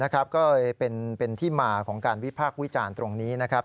ก็เลยเป็นที่มาของการวิพากษ์วิจารณ์ตรงนี้นะครับ